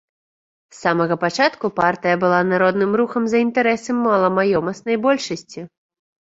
З самага пачатку партыя была народным рухам за інтарэсы маламаёмаснай большасці.